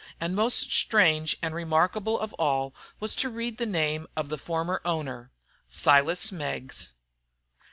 And most strange and remarkable of all was to read the name of the former owner Silas Meggs.